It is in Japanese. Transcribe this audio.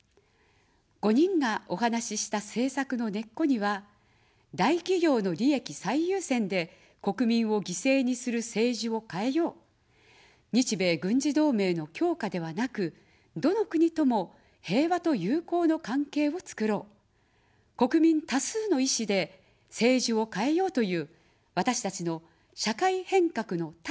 ５人がお話した政策の根っこには、大企業の利益最優先で国民を犠牲にする政治を変えよう、日米軍事同盟の強化ではなく、どの国とも、平和と友好の関係をつくろう、国民多数の意思で政治を変えようという、私たちの社会変革の立場があります。